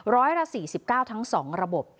ร้อยละ๔๙ทั้ง๒ระบบ